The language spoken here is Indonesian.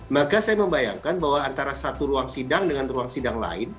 maka saya membayangkan bahwa antara satu ruang sidang dengan ruang sidang lain